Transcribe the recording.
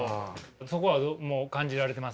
そこは感じられてます？